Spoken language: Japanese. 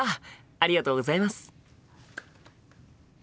ありがとうございます。